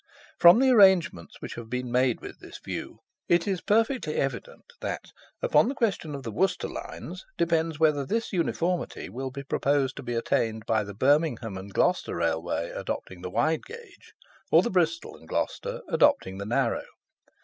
From the arrangements which have been made with this view, it is perfectly evident that upon the question of the Worcester lines depends whether this uniformity will be proposed to be attained, by the Birmingham and Gloucester Railway adopting the wide gauge, or the Bristol and Gloucester adopting the narrow.